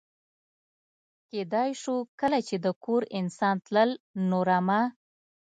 کېدای شو کله چې د کور انسان تلل، نو رمه.